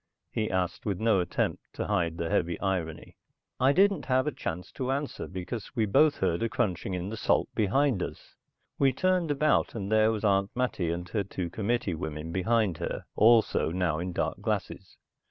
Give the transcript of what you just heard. he asked with no attempt to hide the heavy irony. I didn't have a chance to answer because we both heard a crunching in the salt behind us. We turned about and there was Aunt Mattie and her two committee women behind her also now in dark glasses.